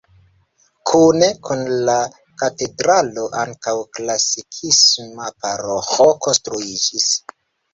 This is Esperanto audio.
Kune kun la katedralo ankaŭ klasikisma paroĥo konstruiĝis.